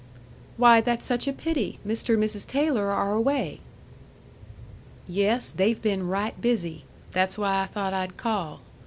"Why, that's such a pity! Mr. and Mrs. Taylor are away." "Yes; they've been right busy. That's why I thought I'd call.